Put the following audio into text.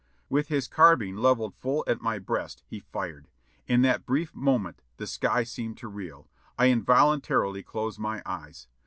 With his carbine levelled full at my breast he fired. In that brief moment the sky seemed to reel ; I involuntarily closed my eyes.